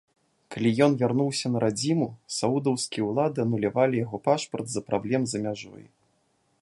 Калі ён вярнуўся на радзіму, саудаўскія ўлады анулявалі яго пашпарт з-за праблем за мяжой.